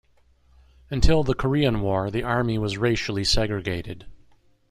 Until the Korean War, the Army was racially segregated.